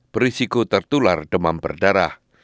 berisiko tertular demam berdarah